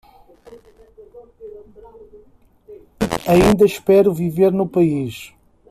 Ainda espero viver no país